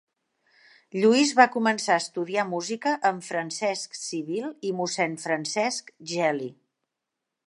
Lluís va començar a estudiar música amb Francesc Civil i mossèn Francesc Geli.